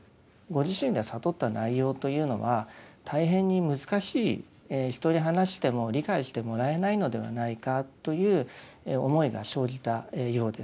ご自身で悟った内容というのは大変に難しい人に話しても理解してもらえないのではないかという思いが生じたようです。